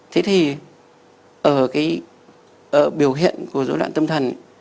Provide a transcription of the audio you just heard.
thế thì ở cái biểu hiện của dối loạn tâm thần